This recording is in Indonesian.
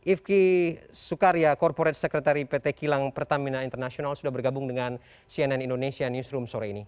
ifki sukarya corporate secretary pt kilang pertamina international sudah bergabung dengan cnn indonesia newsroom sore ini